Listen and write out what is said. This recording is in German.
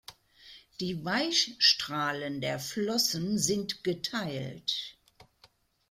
Die Weichstrahlen der Flossen sind geteilt.